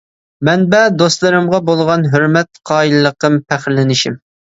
مەنبە : دوستلىرىمغا بولغان ھۆرمەت قايىللىقىم، پەخىرلىنىشىم.